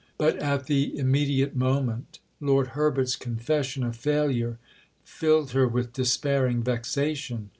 But, at the immediate moment, Lord Herbert's confession of failure filled her with despairing vexation.